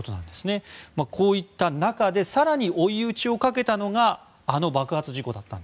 こうした中、更に追い打ちをかけたのがあの爆発事故でした。